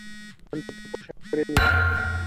অন্তঃত পোষাক পরে নিও।